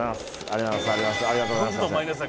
ありがとうございます。